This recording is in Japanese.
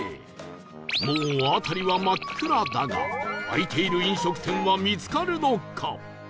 もう辺りは真っ暗だが開いている飲食店は見つかるのか？